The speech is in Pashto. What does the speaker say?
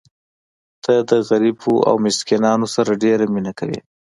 ته د غریبو او مسکینانو سره ډېره مینه کوې.